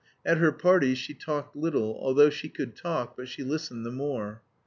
At her parties she talked little, although she could talk, but she listened the more.